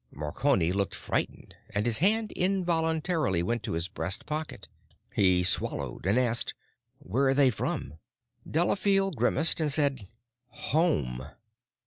Marconi looked frightened and his hand involuntarily went to his breast pocket. He swallowed and asked, "Where are they from?" Delafield grimaced and said, "Home."